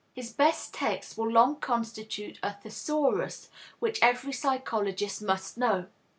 His best texts will long constitute a thesaurus which every psychologist must know.